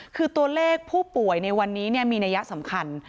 คือตัวเลขผู้ป่วยในวันนี้มีนัยสำคัญ